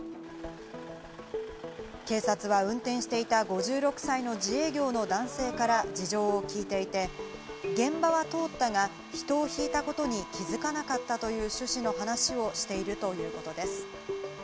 警察は運転していた５６歳の自営業の男性から事情を聞いていて、現場は通ったが、人をひいたことに気づかなかったという趣旨の話をしているということです。